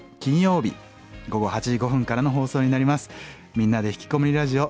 「みんなでひきこもりラジオ」